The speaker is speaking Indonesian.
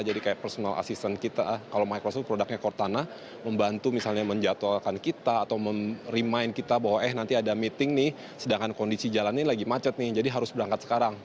jadi kayak personal assistant kita kalau microsoft produknya cortana membantu misalnya menjatuhkan kita atau remind kita bahwa eh nanti ada meeting nih sedangkan kondisi jalan ini lagi macet nih jadi harus berangkat sekarang